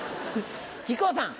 木久扇さん。